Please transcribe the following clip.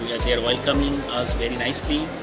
mereka mengucapkan selamat kepada kami dengan baik